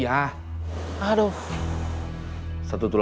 kurang kuranginya mungkin buat kerjasama